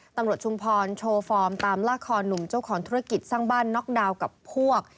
ชุมพรโชว์ฟอร์มตามลากคอหนุ่มเจ้าของธุรกิจสร้างบ้านน็อกดาวน์กับพวก